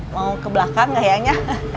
mau ke belakang kayaknya